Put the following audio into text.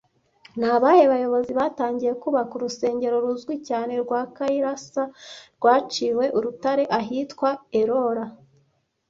Ni abahe bayobozi batangiye kubaka 'urusengero ruzwi cyane rwa Kailasa rwaciwe urutare ahitwa Ellora